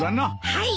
はい。